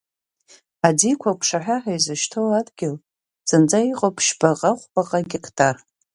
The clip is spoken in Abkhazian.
Аӡиқәа аԥшаҳәа ҳәа изышьҭоу адгьыл зынӡа иҟоуп ԥшьбаҟа-хәбаҟа геқтар.